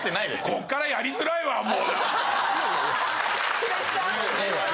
こっからやりづらいわもうなんか。